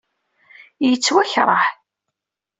Yettwakṛeh.